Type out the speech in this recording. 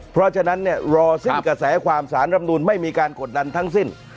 เพราะฉะนั้นเนี่ยรอสิ้นกระแสความสารรำนูนไม่มีการกดดันทั้งสิ้น